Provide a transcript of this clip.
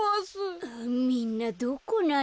みんなどこなの？